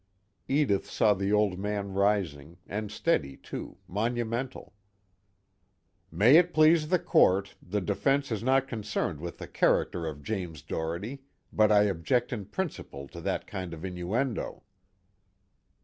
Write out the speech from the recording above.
Edith saw the Old Man rising, and steady too, monumental. "May it please the Court, the defense is not concerned with the character of James Doherty, but I object in principle to that kind of innuendo."